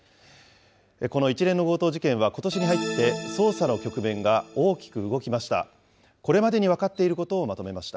この一連の強盗事件はことしに入って、捜査の局面が大きく動きました。